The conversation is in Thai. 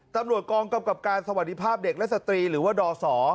ตำรวจกองกำกับการสวัสดีภาพเด็กและสตรีหรือว่าดศ